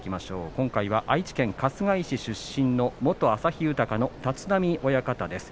今回は愛知県春日井市出身の元旭豊の立浪親方です。